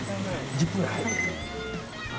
１０分くらい。